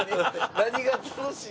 「何が楽しい？」